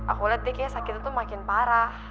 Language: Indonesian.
aku liat deh kayaknya sakitnya tuh makin parah